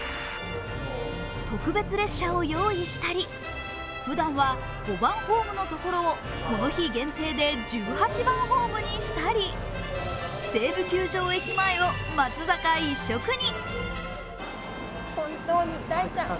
特別列車を用意したり、ふだんは５番ホームのところをこの日限定で１８番ホームにしたり西武球場駅前を松坂一色に。